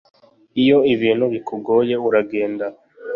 iyo ibintu bikugoye uragenda